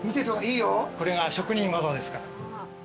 これが職人技ですから。